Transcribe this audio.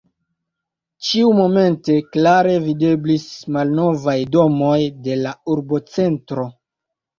Ĉiumomente klare videblis malnovaj domoj de la urbocentro.